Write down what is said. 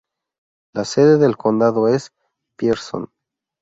La sede del condado es Pearson.